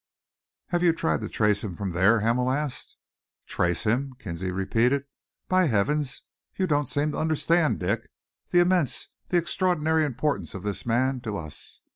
"Have you tried to trace him from there?" Hamel asked. "Trace him?" Kinsley repeated. "By heavens, you don't seem to understand, Dick, the immense, the extraordinary importance of this man to us!